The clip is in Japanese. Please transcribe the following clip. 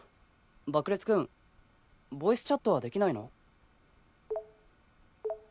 ばくれつ君ボイスチャットはできないの？